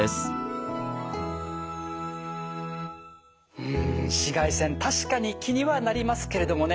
うん紫外線確かに気にはなりますけれどもね